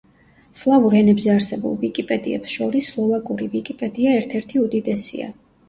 სლავურ ენებზე არსებულ ვიკიპედიებს შორის სლოვაკური ვიკიპედია ერთ-ერთი უდიდესია.